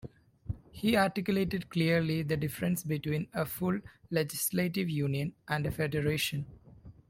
He articulated clearly the difference between a full legislative union and a federation.